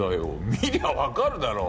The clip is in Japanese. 見りゃわかるだろう。